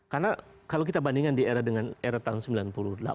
karena kalau kita bandingkan di era dengan era tahun sembilan puluh an